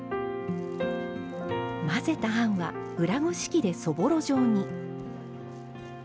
混ぜた餡は裏ごし器でそぼろ状に。